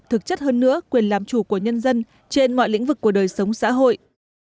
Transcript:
thực chất hơn nữa quyền làm chủ của nhân dân trên mọi lĩnh vực của đời sống xã hội